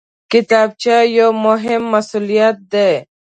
کتابچه یو مهم مسؤلیت دی